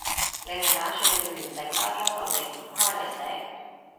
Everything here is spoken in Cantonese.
你係打算要完整包裝留念唔開嚟食？